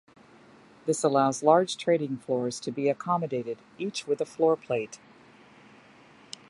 This allows large trading floors to be accommodated, each with a floorplate.